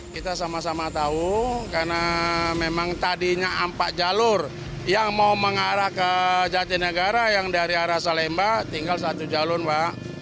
kita sama sama tahu karena memang tadinya empat jalur yang mau mengarah ke jatinegara yang dari arah salemba tinggal satu jalur pak